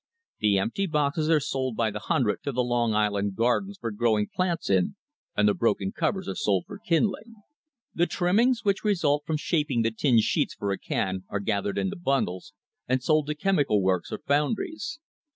The empty boxes are sold by the hundred to the Long Island gardens for grow ing plants in, and the broken covers are sold for kindling. The trimmings which result from shaping the tin sheets for a can are gathered into bundles and sold to chemical works or foundries.